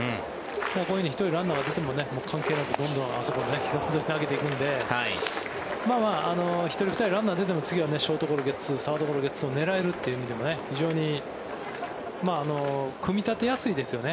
こういうふうにランナーが１人出ても関係なくああいうふうに投げていくので１人、２人ランナーが出ても次はショートゴロ、ゲッツーサードゴロ、ゲッツーを狙えるという意味でも非常に組み立てやすいですよね。